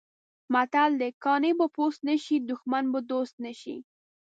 متل دی: کاڼی به پوست نه شي، دښمن به دوست نه شي.